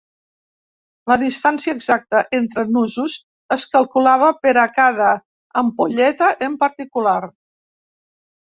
La distància exacta entre nusos es calculava per a cada ampolleta en particular.